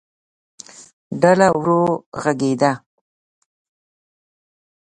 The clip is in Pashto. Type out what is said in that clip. ډله ورو غږېده.